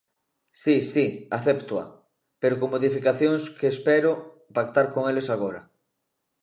Si, si, acéptoa, pero con modificacións que espero pactar con eles agora.